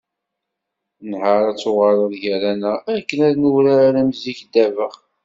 Nḥar ad d-tuɣaleḍ gar-aneɣ akken ad nurar am zik ddabex.